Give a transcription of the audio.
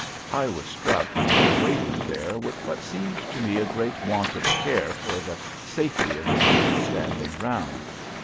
I was struck, while waiting there, with what seemed to me a great want of care for the safety of the people standing round.